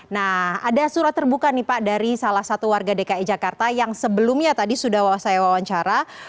nah ada surat terbuka nih pak dari salah satu warga dki jakarta yang sebelumnya tadi sudah saya wawancara